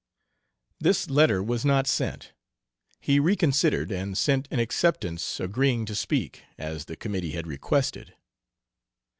This letter was not sent. He reconsidered and sent an acceptance, agreeing to speak, as the committee had requested.